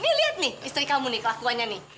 nih liat nih istri kamu nih kelakuannya nih